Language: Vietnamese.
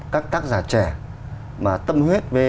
các tác giả trẻ mà tâm huyết với